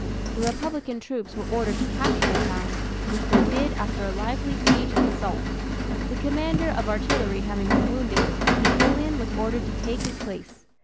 The republican troops were ordered to capture the town, which they did after a lively siege and assault. The commander of artillery having been wounded, Napoleon was ordered to take his place.